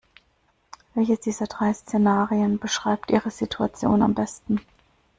Welches dieser drei Szenarien beschreibt Ihre Situation am besten?